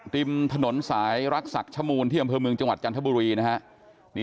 ริมถนนสายรักษักชมูลที่อำเภอเมืองจังหวัดจันทบุรีนะฮะ